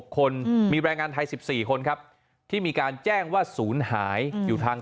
คนมีแรงงานไทย๑๔คนครับที่มีการแจ้งว่าศูนย์หายอยู่ทาง